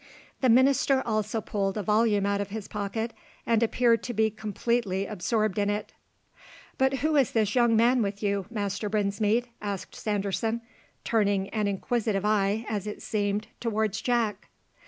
The minister also pulled a volume out of his pocket, and appeared to be completely absorbed in it. "But who is this young man with you, Master Brinsmead?" asked Sanderson, turning an inquisitive eye, as it seemed, towards Jack.